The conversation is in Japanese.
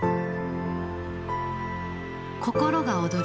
心が躍る。